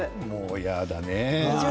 嫌だね。